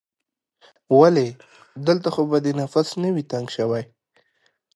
ولې؟ دلته خو به دې نفس نه وي تنګ شوی؟